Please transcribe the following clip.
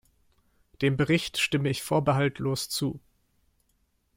Dem Bericht stimme ich vorbehaltlos zu.